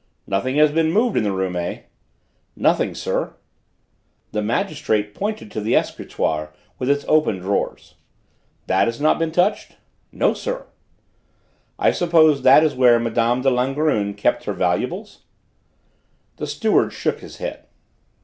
"Nothing has been moved in the room, eh?" "Nothing, sir." The magistrate pointed to the escritoire with its open drawers. "That has not been touched?" "No, sir." "I suppose that is where Mme. de Langrune kept her valuables?" The steward shook his head.